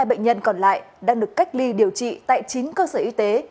năm mươi hai bệnh nhân còn lại đang được cách ly điều trị tại chín cơ sở y tế